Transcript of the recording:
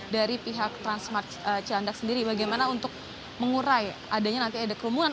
dari pihak transmart cilandak sendiri bagaimana untuk mengurai adanya nanti ada kerumunan